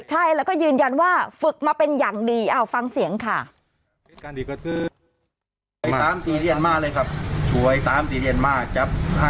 ใช่แล้วก็ยืนยันว่าฝึกมาเป็นอย่างดีเอาฟังเสียงค่ะ